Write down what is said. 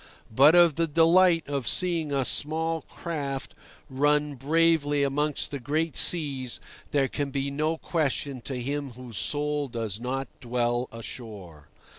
But of the delight of seeing a small craft run bravely amongst the great seas there can be no question to him whose soul does not dwell ashore.